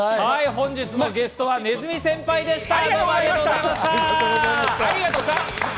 本日のゲストは鼠先輩でした。